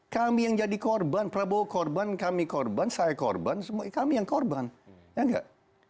kami yang jadi korban prabowo korban kami korban saya korban semua kami yang korban ya enggak